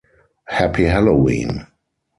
Happy Halloween!